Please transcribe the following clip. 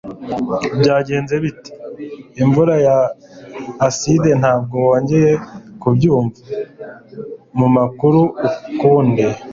Byagenze bite imvura ya aside? Ntabwo wongeye kubyumva mumakuru ukundi